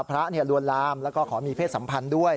พระรวรรมแล้วก็ขอมีเพศสัมพันธ์ด้วย